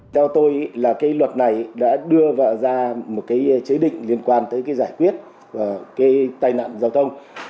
theo tôi là cái luật này đã đưa ra một chế định liên quan tới giải quyết tai nạn giao thông